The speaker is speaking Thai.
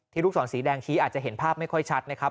ลูกศรสีแดงชี้อาจจะเห็นภาพไม่ค่อยชัดนะครับ